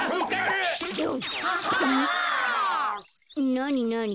なになに？